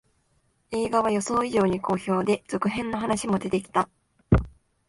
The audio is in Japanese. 映画は予想以上に好評で、続編の話も出てきた